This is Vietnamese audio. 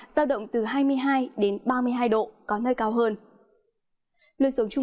giao động từ hai mươi hai đến ba mươi hai độ có nơi cao hơn